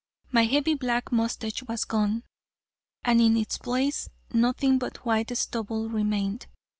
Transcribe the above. My heavy black mustache was gone, and in its place nothing but white stubble remained.